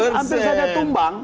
saya menyebut hampir saja tumbang